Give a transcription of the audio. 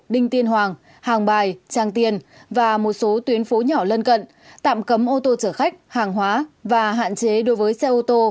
đinh tiên hoàng hàng bài tràng tiền và một số tuyến phố nhỏ lân cận tạm cấm ô tô chở khách hàng hóa và hạn chế đối với xe ô tô